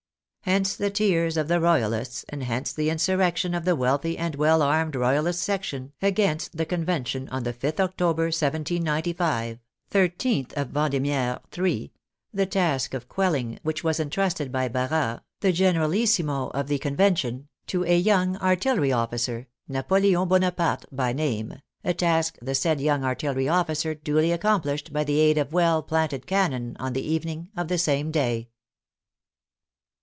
Hence the tears of the Royalists, and hence the insurrection of the wealthy and well armed Royalist section against the Convention on the 5th October, 1795 (13th of Vendemiaire, III.), the task of quelling which was entrusted by Barras, the generalissimo of the Convention, to a young artillery officer. Napoleon Bonaparte by name, a task the said young artillery officer duly accomplished by the aid of well planted cannon on the evening of the same day.